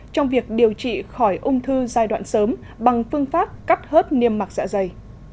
trong việc điều trị khỏi ung thư giai đoạn sớm bằng phương pháp cắt hớt niêm mạc dạ dày